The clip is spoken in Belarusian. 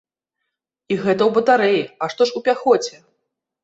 І гэта ў батарэі, а што ж у пяхоце?